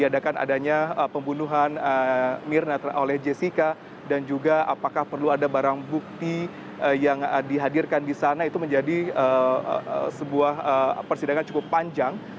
dan juga apakah perlu ada barang bukti yang dihadirkan di sana itu menjadi sebuah persidangan cukup panjang